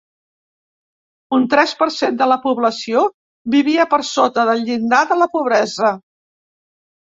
Un tres per cent de la població vivia per sota del llindar de la pobresa.